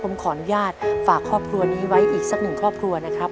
ผมขออนุญาตฝากครอบครัวนี้ไว้อีกสักหนึ่งครอบครัวนะครับ